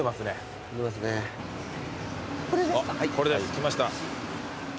来ました。